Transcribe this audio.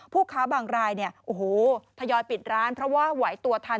ผู้ค้าบางรายโอ้โฮพยายอยปิดร้านเพราะว่าไหวตรวจทัน